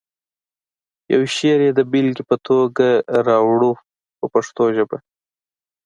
یو شعر یې د بېلګې په توګه راوړو په پښتو ژبه.